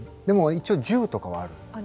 でも一応銃とかはある。